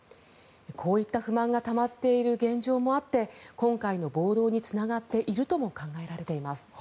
こういった不満がたまっている現状もあって今回の暴動につながっているとも考えられています。